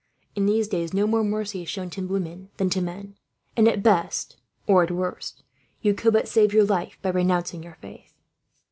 In these days, no more mercy is shown to women than to men; and at best, or at worst, you could but save your life by renouncing your faith."